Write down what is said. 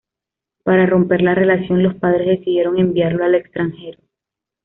Para romper la relación, los padres decidieron enviarlo al extranjero.